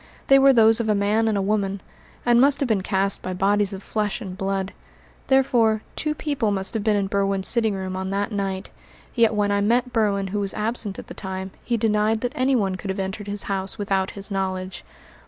They were those of a man and a woman, and must have been cast by bodies of flesh and blood. Therefore, two people must have been in Berwin's sitting room on that night; yet when I met Berwin who was absent at the time he denied that anyone could have entered his house without his knowledge.